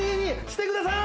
してください！